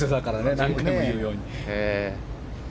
何回も言うように。